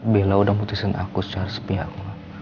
bella udah mutusin aku secara sepihak